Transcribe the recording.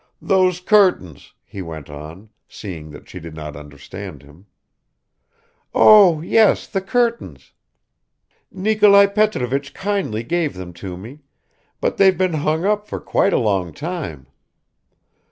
"Those curtains," he went on, seeing that she did not understand him. "Oh, yes, the curtains; Nikolai Petrovich kindly gave them to me, but they've been hung up for quite a long time."